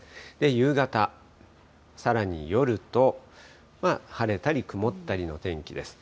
夕方、さらに夜と、晴れたり曇ったりの天気です。